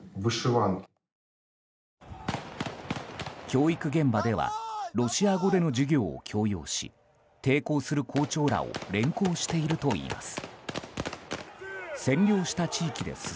教育現場ではロシア語での授業を強要し抵抗する校長らを連行しているといいます。